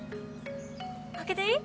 開けていい？